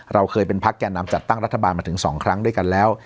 เราเคยเป็นพักแก่นำจัดตั้งรัฐบาลมาถึง๒ครั้งด้วยกันแล้ว